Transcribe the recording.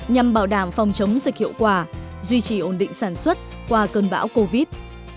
nhằm bảo đảm phòng chống dịch hiệu quả duy trì ổn định sản xuất qua cơn bão covid